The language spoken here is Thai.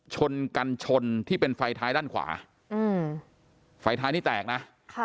ชนกันชนที่เป็นไฟท้ายด้านขวาอืมไฟท้ายนี่แตกนะค่ะ